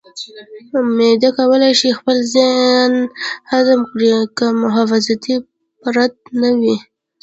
معده کولی شي خپل ځان هضم کړي که محافظتي پرت نه وي.